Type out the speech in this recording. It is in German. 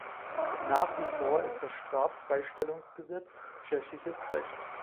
Nach wie vor ist das Straffreistellungsgesetz tschechisches Recht.